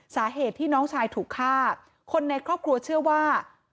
สาเหตุที่น้องชายถูกฆ่าคนในครอบครัวเชื่อว่า